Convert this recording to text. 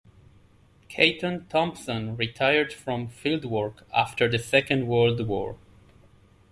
Caton Thompson retired from fieldwork after the Second World War.